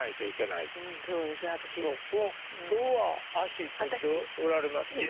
今日は脚閉じておられますけども。